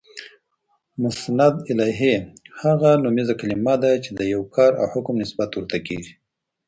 مسندالیه: هغه نومیزه کلیمه ده، چي د یو کار او حکم نسبت ورته کیږي.